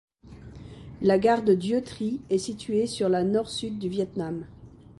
La gare de Dieu Tri est située sur la Nord-Sud du Viêt Nam.